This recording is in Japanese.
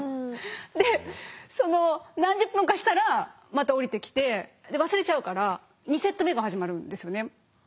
でその何十分かしたらまた下りてきて忘れちゃうから２セット目が始まるんですよね。